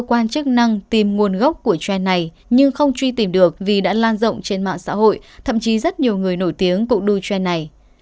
cơ quan chức năng tìm nguồn gốc của trend này nhưng không truy tìm được vì đã lan rộng trên mạng xã hội thậm chí rất nhiều người nổi tiếng cũng đu trend này